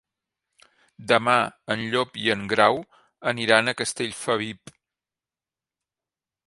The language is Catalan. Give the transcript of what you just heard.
Demà en Llop i en Grau aniran a Castellfabib.